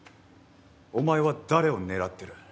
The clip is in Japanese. お前は誰を狙ってる？